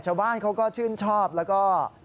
ชาวบ้านเขาก็ชื่นชอบแล้วก็